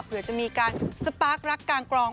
เผื่อจะมีการสปาร์ครักกลางกรอง